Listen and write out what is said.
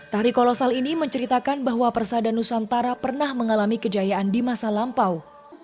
tari kolosal ini menceritakan bahwa persada nusantara pernah mengalami kejayaan di masa lampau